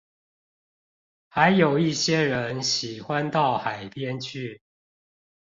還有一些人喜歡到海邊去